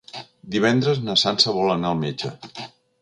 Divendres na Sança vol anar al metge.